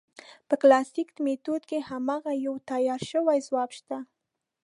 په کلاسیک میتود کې هماغه یو تیار شوی ځواب شته.